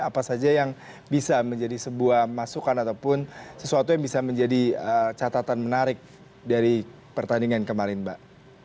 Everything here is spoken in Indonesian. apa saja yang bisa menjadi sebuah masukan ataupun sesuatu yang bisa menjadi catatan menarik dari pertandingan kemarin mbak